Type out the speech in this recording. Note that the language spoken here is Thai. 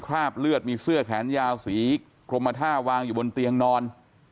คราบเลือดมีเสื้อแขนยาวสีกรมท่าวางอยู่บนเตียงนอน